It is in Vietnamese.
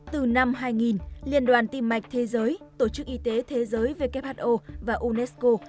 từ năm hai nghìn liên đoàn tim mạch thế giới tổ chức y tế thế giới who và unesco